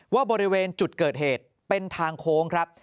ว่าบริเวณจุดเกิดเหตุเป็นทางโค้งครับ